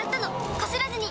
こすらずに！